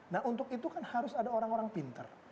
nah untuk itu kan harus ada orang orang pinter